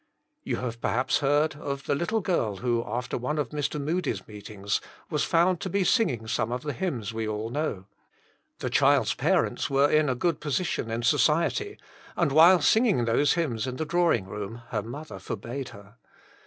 You have perhaps heard of the little girl, who, after one of Mr. Moody's meetings, was found to be singing some of the hymns we all know. The child's parents were in a good position in society, and while singing those hymns in the drawing room her mother forbade her.